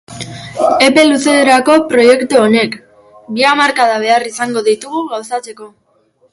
Epe luzerako proiektu honek, bi hamarkada behar izango ditugu gauzatzeko.